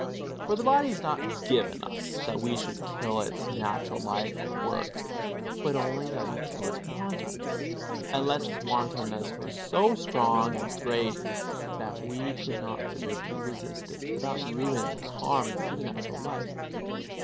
For the body is not given us that we should kill its natural life or work, but only that we kill its wantonness; unless its wantonness were so strong and great that we could not sufficiently resist it without ruin and harm to the natural life.